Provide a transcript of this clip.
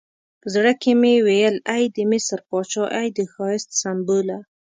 په زړه کې مې ویل ای د مصر پاچا، ای د ښایست سمبوله.